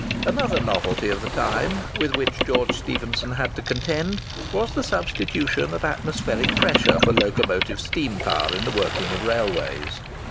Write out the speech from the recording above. Another novelty of the time, with which George Stephenson had to contend, was the substitution of atmospheric pressure for locomotive steam power in the working of railways.